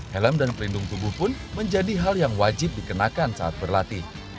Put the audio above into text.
helm dan pelindung tubuh pun menjadi hal yang wajib dikenakan saat berlatih